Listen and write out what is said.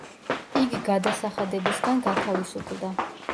იგი გადასახადებისგან გათავისუფლდა.